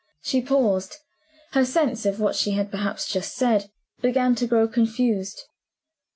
She paused her sense of what she had herself just said began to grow confused.